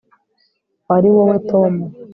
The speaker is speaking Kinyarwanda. wari wowe tom